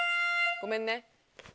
ごめんね。